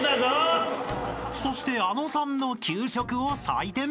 ［そしてあのさんの「給食」を採点］